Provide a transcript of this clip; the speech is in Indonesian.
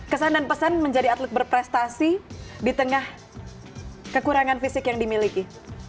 kesan dan pesan menjadi atlet berprestasi di tengah kekurangan fisik yang dimiliki